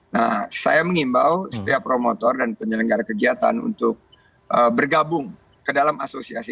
nah saya mengimbau setiap promotor dan penyelenggara kegiatan untuk bergabung ke dalam asosiasi